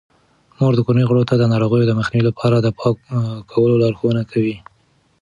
مور د کورنۍ غړو ته د ناروغیو د مخنیوي لپاره د پاکولو لارښوونه کوي.